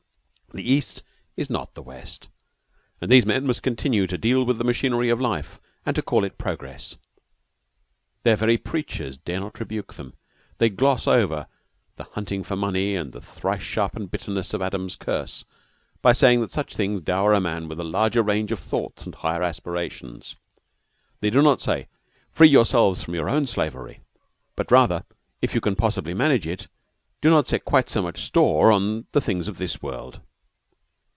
The East is not the West, and these men must continue to deal with the machinery of life, and to call it progress. Their very preachers dare not rebuke them. They gloss over the hunting for money and the thrice sharpened bitterness of Adam's curse, by saying that such things dower a man with a larger range of thoughts and higher aspirations. They do not say, "Free yourselves from your own slavery," but rather, "If you can possibly manage it, do not set quite so much store on the things of this world."